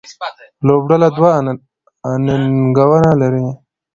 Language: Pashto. لوبډله دوه انینګونه لري.